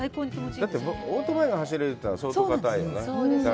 だってオートバイが走れるって相当硬いよね。